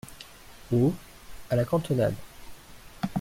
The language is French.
Haut, à la cantonade.